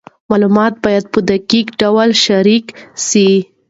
معلومات باید په دقیق ډول شریک سي.